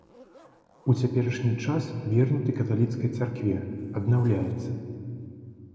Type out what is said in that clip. У цяперашні час вернуты каталіцкай царкве, аднаўляецца.